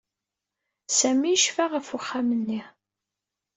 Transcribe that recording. Sami yecfa ɣef uxxam-nni.